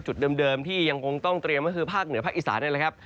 จุดเดิมที่ยังคงต้องเตรียมก็คือภาคเหนือภาคอีสานนั่นแหละครับ